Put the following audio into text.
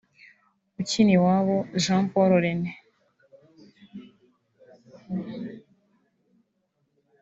Ukiniwabo Jean Paul René